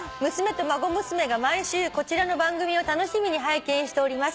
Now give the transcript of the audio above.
「娘と孫娘が毎週こちらの番組を楽しみに拝見しております」